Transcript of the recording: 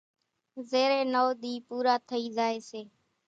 زيرين نوَ ۮي پورا ٿئي زائي سي